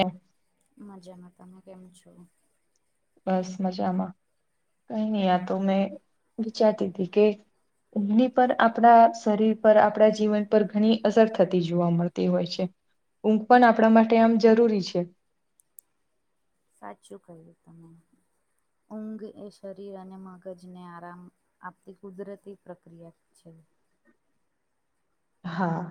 એમ મજામાં તમે કેમ છો. બસ મજામાં કઈ નહી આ તો મેં વિચારતી તી કે ની પર આપણા શરીર પર આપણા જીવન પર ઘણી અસર થતી જોવા મળતી હોય છે. ઊંઘ પણ આપણા માટે આમ જરૂરી છે. સાચું કહ્યું તમે ઊંઘ એ શરીર અને મગજને આરામ આપતી કુદરતી પ્રક્રિયા છે. હા.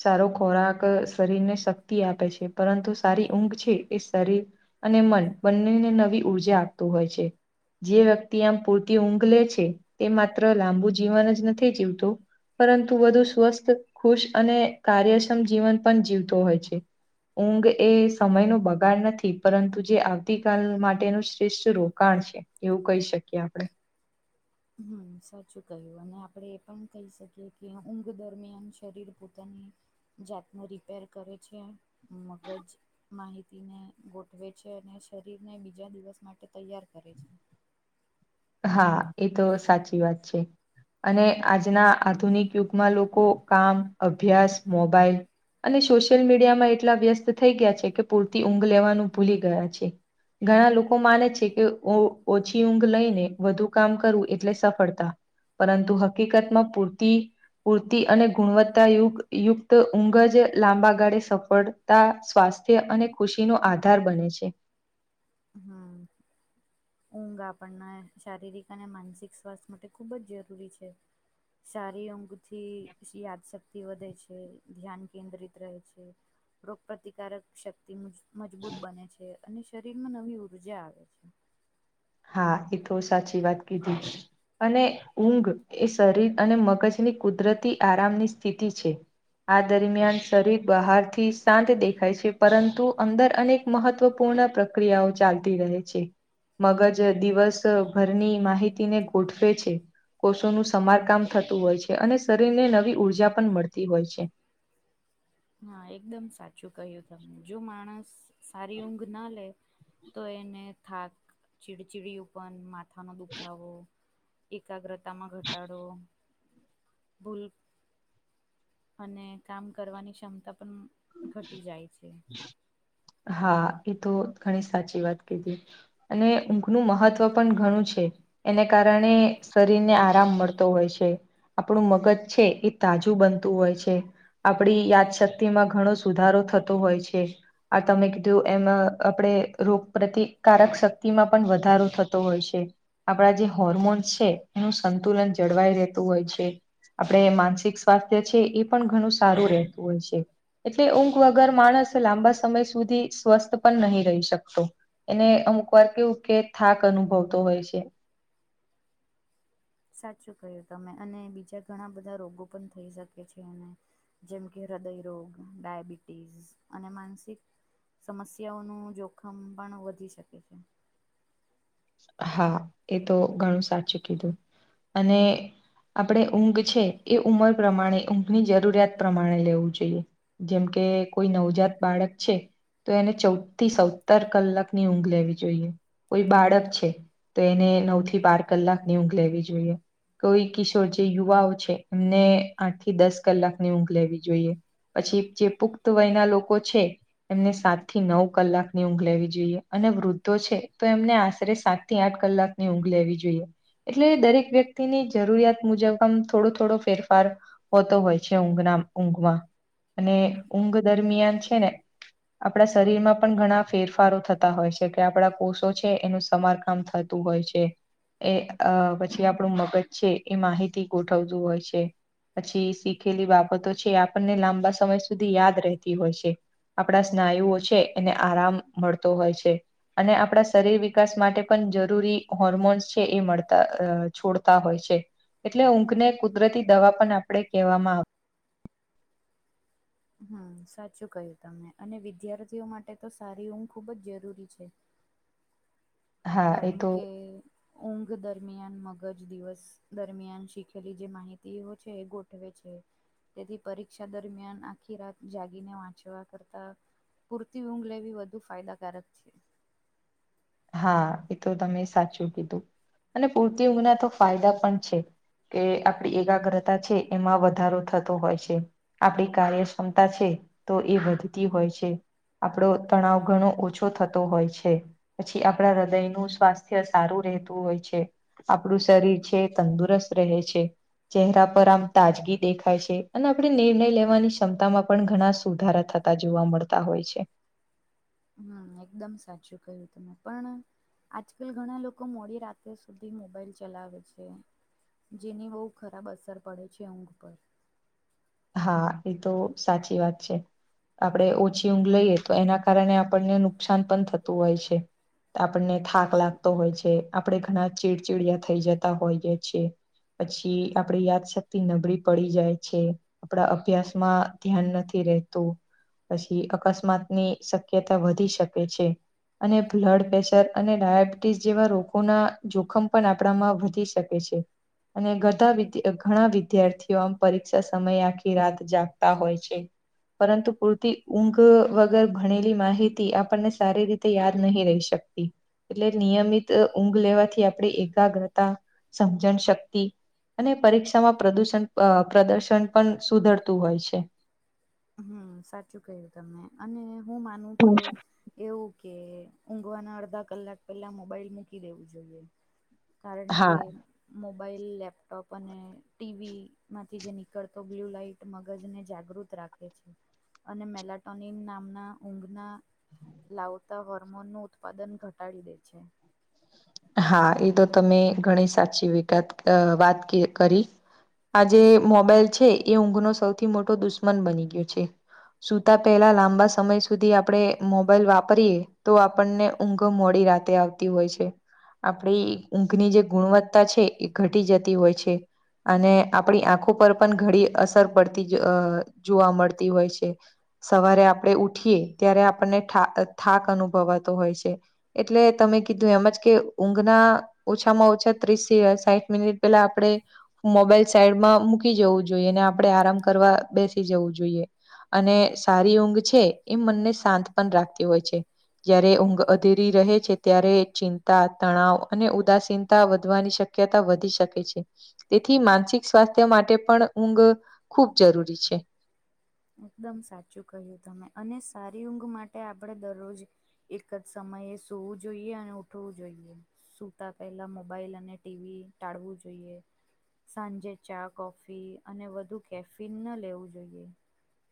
સારો ખોરાક શરીર ને શક્તિ આપે છે. પરંતુ સારી ઊંઘ છે એ શરીર અને મન બંનેને નવી ઊર્જા આપતું હોય છે. જે વ્યક્તિ આમ પૂરતી ઊંઘ લે છે તે માત્ર લાંબુ જીવન જ નથી જીવતું. પરંતુ વધુ સ્વસ્થ ખુશ અને કાર્યક્ષમ જીવન પણ જીવતો હોય છે. ઊંઘ એ સમયનો બગાડ નથી પરંતુ જે આવતી કાલ માટેનું શ્રેષ્ઠ રોકાણ છે. એવું કહી શકીએ આપડે. હમ સાચું કહ્યું અને આપણે એ પણ કહી શકીએ કે ઊંઘ દરમિયાન શરીર પોતાને જાતનું રિપેર કરે છે મગજ માહિતીને ગોઠવે છે, અને શરીર ને બીજા દિવસ માટે તૈયાર કરે છે. હા ઈ તો સાચી વાત છે. અને આજના આધુનિક યુગમાં લોકો કામ, અભ્યાસ, મોબાઈલ અને સોશિયલ મીડિયામાં એટલા વ્યસ્ત થઈ ગયા છે કે પૂરતી ઊંઘ લેવાનું ભૂલી ગયા છે. ઘણા લોકો માને છે કે ઓ ઓછી ઊંઘ લઈને વધુ કામ કરવું એટલે સફળતા પરંતુ હકીકતમાં પૂરતી પૂરતી અને ગુણવત્તા ય યુક્ત ઊંઘ જ લાંબા ગાળે સફળ તા સ્વાસ્થ્ય અને ખુશી નો આધાર બને છે. હમ્મ ઊંઘ આપણને શારીરિક અને માનસિક સ્વાસ્થ માટે ખૂબ જ જરૂરી છે. સારી ઊંઘથી યાદશક્તિ ક્તિ વધે છે. ધ્યાન કેન્દ્રિત રહેે છે. રોગ પ્રતિકારક શક્તિ મજબૂત બને છે અને શરીરમાં નવી ઉર્જા આવે છે. હા એ તો સાચી વાત કીધી છે. અને ઊંઘ એ શરીર અને મગજની કુદરતી આરામની સ્થિતિ છે. આ દરમિયાન શરીર બહારથી શાંત દેખાય છે. પરંતુ અંદર અનેક મહત્વપૂર્ણ પ્રક્રિયાઓ ચાલતી રહે છે મગજ દિવસ ભરની માહિતીને ગોઠવે છે. કોષોનું સમારકામ થતું હોય છે અને શરીરને નવી ઉર્જા પણ મળતી હોય છે. હા એકદમ સાચું કહ્યું તમે જો માણસ સારી ઊંઘ ના લે તો એને થાક ચીડચીડીયુપન માથાનો દુખાવો એકાગ્રતામાં ઘટાડો ભૂલ અને કામ કરવાની ક્ષમતા પણ ઘટી જાય છે. હા ઈ તો ઘણી સાચી વાત કીધી. અને ઊંઘનું મહત્વ પણ ઘણું છે એને કારણે શરીર ને આરામ મળતો હોય છે આપણું મગજ છે એ તાજું બનતું હોય છે. આપડી યાદશક્તિ માં ઘણો સુધારો થતો હોય છે. આ તમે કીધું એમ આપણે રોગ પ્રતિકારક શક્તિમાં પણ વધારો થતો હોય છે. આપણા જે હોર્મોન્સ છે એનું સંતુલન જળવાઈ રહેતું હોય છે. આપણે માનસિક સ્વાસ્થ્ય છે એ પણ ઘણું સારું રહેતું હોય છે. એટલે ઊંઘ વગર માણસ લાંબા સમય સુધી સ્વસ્થ પણ નહી રહી શકતો. એને અમુક વાર કેવું કે થાક અનુભવતો હોય છે. સાચું કહ્યું તમે અને બીજા ઘણા બધા રોગો પણ થઈ શકે છે એને જેમ કે હૃદયરોગ, ડાયાબિટીસ અને માનસિક સમસ્યાઓનું જોખમ પણ વધી શકે છે. હા એ તો ઘણું સાચું કીધું અને આપણે ઊંઘ છે એ ઉંમર પ્રમાણે ઊંઘની જરૂરિયાત પ્રમાણે લેવું જોઈએ. જેમ કે કોઈ નવજાત બાળક છે. તો એને ચૌદ થી સત્તર કલાકની ઊંઘ લેવી જોઈએ કોઈ બાળક છે તો એને નવ થી બાર કલાક ની ઊંઘ લેવી જોઈએ. કોઈ કિશોર છે યુવાઓ છે એમને આઠ થી દસ કલાકની ઊંઘ લેવી જોઈએ. પછી જે પુખ્ત વયના લોકો છે. એમને સાત થી નવ કલાકની ઊંઘ લેવી જોઈએ અને વૃદ્ધો છે તો એમને આ રે સાત થી આઠ કલાક ની ઊંઘ લેવી જોઈએ. એટલે દરેક વ્યક્તિની જરૂરિયાત મુજબ આમ થોડો થોડો ફેરફાર હોતો હોય છે ઊંઘના ઊંઘમાં અને ઊંઘ દરમિયાન છે ને આપડા શરીરમાં પણ ઘણા ફેરફારો થતા હોય છે કે આપડા કોષો છે એનું તમાર કામ થતું હોય છે. એ અહ પછી આપડું મગજ છે એ માહિતી ગોઠવતું હોય છે. પછી શીખેલી બાબતો છે એ આપણને લાંબા સમય સુધી યાદ રહેતી હોય છે. આપડા સ્નાયુઓ છે એને આરામ મળતો હોય છે અને શરીર વી વિકાસ માટે પણ જરૂરી હોર્મોન્સ છે એ મળતા અહ છોડતા હોય છે. એટલે ઊંઘ ને કુદરતી દવા પણ આપડે કહેવામાં આવ હમ્મ સાચું કહ્યું તમને અને વિદ્યાર્થીઓ માટે તો સારી ઊંઘ ખુબ જ જરૂરી છે. હા એ કારણ તો કે ઊંઘ દરમિયાન મગજ દિવસ દરમિયાન શીખેલી જે માહિતીઓ છે એ ગોઠવે છે. તેથી પરીક્ષા આખી રાત જાગીને વાંચવા કરતા પૂરતી ઊંઘ લેવી વધુ ફાયદાકારક છે. હા એ તો તમે સાચું કીધું અને પૂરતી ઊંના તો ફાયદા પણ છે. કે આપડી એકાગ્રતા છે એમાં વધારો થતો હોય છે. આપડી કાર્યક્ષમતા છે તો એ વધતી હોય છે. આપડો તણાવ ઘણો ઓછો થતો હોય છે. પછી આપણા હૃદયનું સ્વાસ્થ્ય સારું રહેતું હોય છે. આપડું શરીર છે તંદુરસ્ત રહે છે. ચહેરા પર આમ તાજગી દેખાય છે અને આપણે નિર્ણય લેવાની ક્ષમતામાં પણ ઘણા સુધારા થ તા જોવા મળતા હોય છે. હા એકદમ સાચું ક્યું તમે પણ આજકાલ ઘણા લોકો મોડી રાતે સુધી મોબાઈલ ચલાવે છે. જેની બહુ ખરાબ અસર પડે છે ઊંઘ પર. હા એ તો સાચી વાત છે. આપડે ઓછી ઊંઘ લઈએ તો એના કારણે આપણને નુકસાન પણ થતું હોય છે. તો આપણને થાક લાગતો હોય છે આપણે ઘણા ચીડચીડયા થઈ જતા હોઈએ છીએ છે. પછી આપડી યાદ શક્તિ નબળી પડી જાય છે. આપડા અભ્યાસ માં ધ્યાન નથી રેહતું. પછી અકસ્માતની શક્યતા વધી શકે છે. અને બ્લડ પ્રેશર અને ડાયાબિટીસ જેવા રોગોના જોખમ પણ આપણામાં વધી શક આવે છે. અને ગધા વી ઘણા વિદ્યાર્થીઓ આમ પરીક્ષા સમય આખી રાત જાગતા હોય છે. પરંતુ પૂરતી ઊંઘ અહ વગર ભણેલી માહિતી આપણને સારી રીત થી યાદ નહી રહી શકતી એટલે નિયમિત ઊંઘ લેવાથી આપણે એકાગ્રતા સમજણ શક્તિ અને પરીક્ષામાં પ્રદુષણ અહ પ્રદર્શન પણ સુધરતું હોય છે. હમ્મ સાચું ક્યું તમને અને હું માનું તો એવું કે ઊંઘવાના અડધા કલાક પહેલા મોબાઈલ મૂકી દેવું જોઈએ. કારણ કે હા મોબાઈલ લેપટોપ અને ટી વી માંથી જે નીકળતો બ્લ્યુ લાઈટ મગજને જાગૃત રાખ ખે છે અને મેલાટોનીન નામના ઊંઘના લાઉ તા હોર્મોનનું ઉત્પાદન ઘટાડી દે છે. હા એ તો તમે ઘણી સાચી વિગત વાત કરી આજે મોબાઈલ છે એ ઊંઘનો સૌથી મોટો દુશ્મન બની ગયો છે. સુતા પહેલા લાંબા સમય સુધી આપડે મોબાઈલ વાપરીએ તો આપણને ઊંઘ મોડી રાતે આવતી હોય છે. આપડી ઊંઘની જે ગુણવત્તા છે એ ઘટી જતી હોય છે. અને આપડી આંખો પર પણ ઘણી અસર પડતી જોવા મળતી હોય છે. સવારે આપડે ઉઠીએ ત્યારે આપણને ઠા થાક અનુભવાતો હોય છે. એટલે તમે કીધું એમ જ કે ઊંઘના ઓછામાં ઓછા ત્રીસ સાહીઠ મિનિટ પેલા આપડે મોબાઈલ સાઈડમાં મૂકી જવું જોઈએ ને આપડે આરામ કરવા બેસી જવું જોઈએ અને સારી ઊંઘ છે એ મનને શાંત પણ રાખતી હોય છે. જયારે ઊંઘ અધેરી રહે છે ત્યારે ચિં તા તણાવ અને ઉદાસીનતા વધવાની શક્યતા વધી શકે છે. તેથી માનસિક સ્વાસ્થ્ય માટે પણ ઊંઘ ખુબ જરૂરી છે એકદમ સાચું કહ્યું તમે અને સારી ઊંઘ માટે આપડે દરરોજ એક જ સમયે સૂવું જોઈએ અને ઉઠવું જોઈએ. સુતા પહેલા મોબાઈલ અને ટીવી ટાળવું જોઈએ. સાંજે ચા કોફી અને વધુ કેફિન ન લેવું જોઈએ.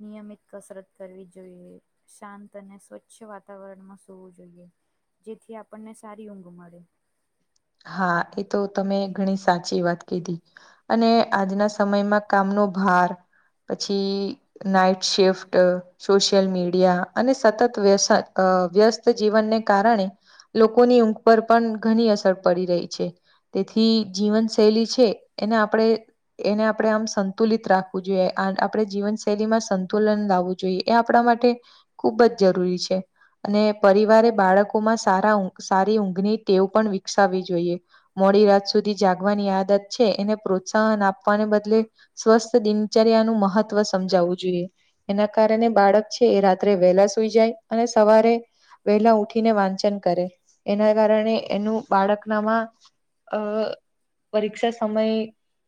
નિયમિત કસરત કરવી જોઈએ. શાંત અને સ્વચ્છ વાતાવરણમાં સૂવું જોઈએ. જેથી આપણને સારી ઊંઘ મળે. હા એ તો તમે ઘણી સાચી વાત કીધી અને આજના સમયમાં કામનો ભાર પછી નાઇટ શિફ્ટ સોશિયલ મીડિયા અને સતત વ્ય વ્યસ્ત જીવનને કારણે લોકોની ઊંઘ પર પણ ઘણી અસર પડી રહી છે. તેથી જીવન શૈલી છે એને આપડે એને આપડે આમ સંતુલિત રાખવું જોઈએ જીવનશૈલીમાં સંતુલન લાવવું જોઈએ એ આપડા માટે ખુબ જ જરૂરી છે. અને પરિવારે બાળકોમાં સારા સારી ઊંઘની ટેવ પણ વિકસાવવી જોઈએ. મોડી રાત સુધી જાગવાની આદત છે એને પ્રોત્સાહન આપવાને બદલે સ્વસ્થ દિનચર્યા નું મહત્વ સમજાવવું જોઈએ. એના કારણે બાળક છે એ રાત્રે વહેલા સુઈ જાય અને સવારે વેલા ઉઠીને વાંચન કરે એના કારણે એનું બાળકનામાં અ પરીક્ષા સમય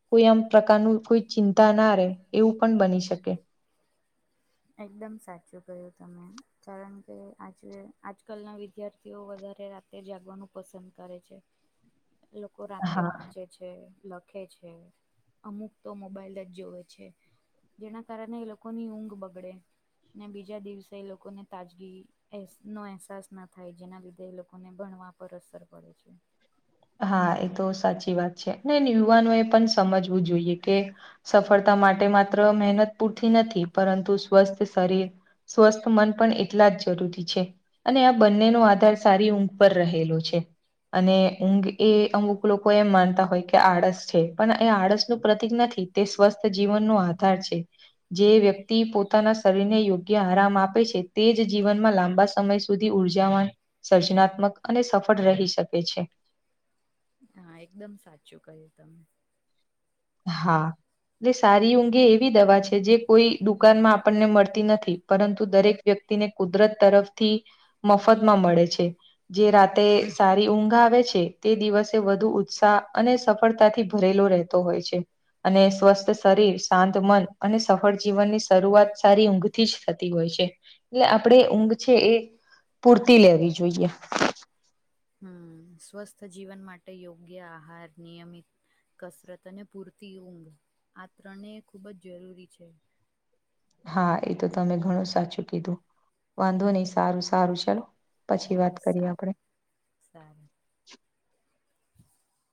કોઈ આમ પ્રકારનું કોઈ ચિંતા ના રહે એવું પણ બની શકે એકદમ સાચું કહ્યું તમે કારણ કે આજે આજકાલના વિદ્યા ર્થીઓ વધારે રાતે જાગવાનું પસંદ કરે છે. [inaudible] એ લોકો રાતે હા વાંચે છે લખે છે અમુક તો મોબાઈલ જ જોવે છે. જેના કારણે એ લોકોની ઊંઘ બગડે ને બીજા દિવસે એ લોકોને તાજગી એસ નો અહેસાસ ના થાય જેના લીધે એ લોકોને ભણવા પર અસર પડે છે. હા એતો સાચી વાત છે. ને યુવાનો એ પણ સમજવું જોઈએ કે સફળતા માટે માત્ર મહેનત પૂરતી નથી, પરંતુ સ્વસ્થ શરીર સ્વસ્થ મન પણ એટલા જ જરૂરી છે. અને આ બંનેનો આધાર સારી ઊંઘ પર રહેલો છે. અને ઊંઘ એ અમુક લોકો એમ માનતા હોય કે આળસ છે. પણ એ આળસનું પ્રતિક નથી. તે સ્વસ્થ જીવનનો આધાર છે. જે વ્યક્તિ પોતાના શરીરને યોગ્ય આરામ આપે છે તેજ જીવનમાં લાંબા સમય સુ સુધી ઉર્જાવા, સર્જનાત્મક અને સફળ રહી શકે છે. હા એકદમ સાચું કહ્યું તમે. હા ને સારી ઊંઘ એ એવી દવા છે જે કોઈ દુકાનમાં આપણને મળ તી નથી. પરંતુ દરેક વ્યક્તિને કુદરત તરફથી મફતમાં મળે છે. જે રાતે સારી ઊંઘ આવે છે તે દિવસે વધુ ઉત્સાહ અને સફળતાથી ભરેલો રહેતો હોય છે. અને સ્વસ્થ શરીર, શાંત મન અને સફળ જીવનની શરૂઆત સારી ઊંઘથી જ થતી હોય છે. એટલે આપણેે ઊંઘ છે એ પૂરતી લેવી જોઈએ. હમ સ્વસ્થ જીવન માટે યોગ્ય આહાર, નિયમિત કસરત અને પૂરતી ઊંઘ આ ત્રણે ખૂબ જ જરૂરી છે. હા એતો તમે ઘણું સાચું કીધું. વાંધો નહી સારું સારું ચલો. પછી હા વાત કરીએ આપણે. સારું સારું.